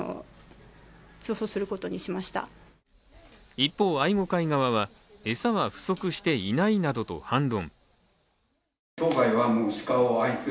一方、愛護会側は餌は不足していないなどと反論。